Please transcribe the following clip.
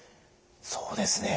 そうですね。